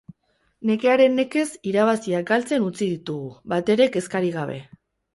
Nekearen nekez irabaziak galtzen utzi ditugu, batere kezkarik gabe.